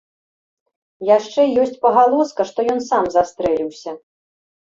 Яшчэ ёсць пагалоска, што ён сам застрэліўся.